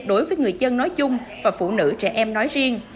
đối với người dân nói chung và phụ nữ trẻ em nói riêng